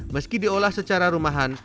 meski diolah secara rumahan